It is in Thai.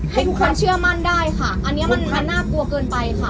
ให้ทุกคนเชื่อมั่นได้ค่ะอันนี้มันน่ากลัวเกินไปค่ะ